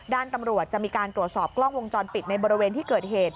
ด้านตำรวจจะมีการตรวจสอบกล้องวงจรปิดในบริเวณที่เกิดเหตุ